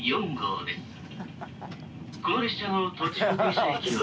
この列車の途中下車駅は」。